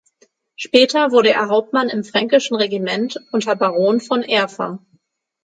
Später wurde er Hauptmann im fränkischen Regiment unter Baron von Erffa.